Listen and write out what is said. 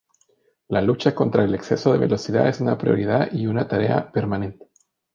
La lucha contra el exceso de velocidad es una prioridad y una tarea permanente.